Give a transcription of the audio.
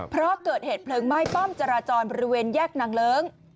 เพราะเกิดเหตุเพลิงไหม้ป้อมจราจรบริเวณแยกนางเลิ้ง